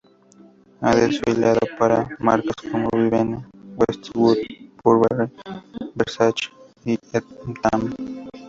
Ha desfilado para marcas como Vivienne Westwood, Burberry, Versace o Etam.